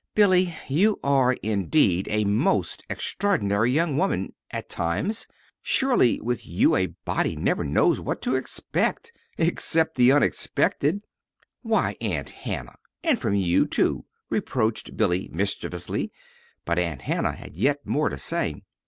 "Billy, you are, indeed, a most extraordinary young woman at times. Surely, with you, a body never knows what to expect except the unexpected." "Why, Aunt Hannah! and from you, too!" reproached Billy, mischievously; but Aunt Hannah had yet more to say.